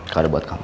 kalau ada buat kamu